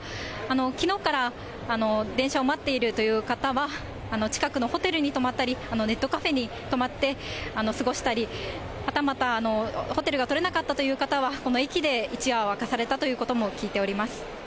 きのうから電車を待っているという方は近くのホテルに泊まったり、ネットカフェに泊まって過ごしたり、はたまたホテルが取れなかったという方は、この駅で一夜を明かされたということも聞いております。